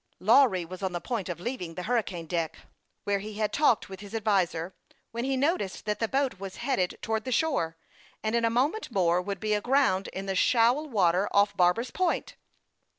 Lawry was on the point of leaving the hurricane deck, where he had talked with his advisor, when he noticed that the boat was headed towards the shore, and in a moment more would be aground in the shoal water off Barber's Point.